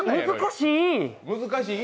難しい。